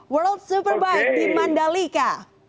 world superbike di mandalika